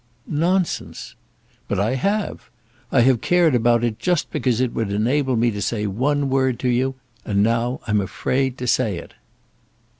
"Nonsense." "But I have. I have cared about it just because it would enable me to say one word to you; and now I'm afraid to say it."